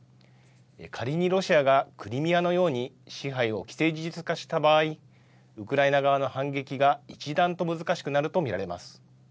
仮にロシアがクリミアのように支配を既成事実化した場合、ウクライナ側の反撃が一段と難しくなると見られます。